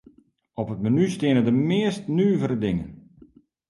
Op it menu steane de meast nuvere dingen.